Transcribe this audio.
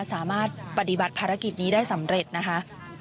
สามารถปฏิบัติภารกิจนี้ได้สำเร็จนะคะ